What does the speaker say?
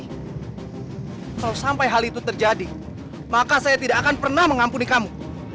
jika kamu ingin sampai hal itu terjadi maka saya tidak akan pernah mengampuni kamu